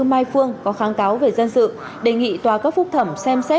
mai phương có kháng cáo về dân sự đề nghị tòa cấp phúc thẩm xem xét